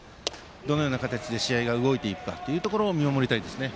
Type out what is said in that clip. どのような形で試合が動いていくかを見守りたいですね。